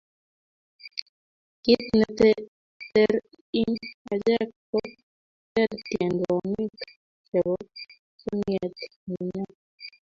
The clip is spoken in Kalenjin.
kit ne ter ing' achek ko ter tiedwanik chebo chamiet ne nyo